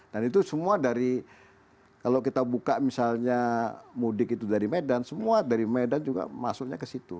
itu semua dari kalau kita buka misalnya mudik itu dari medan semua dari medan juga masuknya ke situ